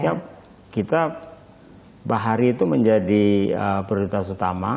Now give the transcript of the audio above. ya kita bahari itu menjadi prioritas utama